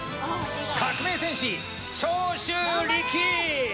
革命戦士、長州力！